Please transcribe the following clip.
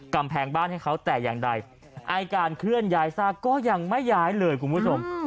กำแพงบ้านให้เขาแต่อย่างใดไอ้การเคลื่อนย้ายซากก็ยังไม่ย้ายเลยคุณผู้ชม